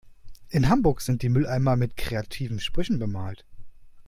In Hamburg sind die Mülleimer mit kreativen Sprüchen bemalt.